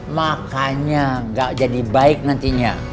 makanya gak jadi baik nantinya